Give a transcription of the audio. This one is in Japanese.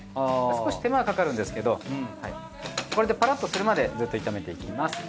少し手間はかかるんですけどこれでパラッとするまでずっと炒めていきます。